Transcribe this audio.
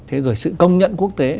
thế rồi sự công nhận quốc tế